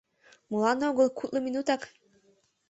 — Молан «огыл», кудло минутак...